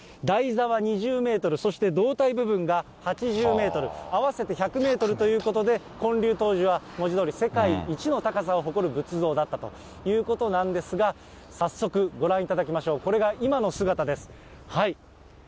台座は２０メートル、そして胴体部分が８０メートル、合わせて１００メートルということで、建立当時は文字どおり世界一の高さを誇る仏像だったということなんですが、早速、ご覧いただきましょう、これが今の姿です。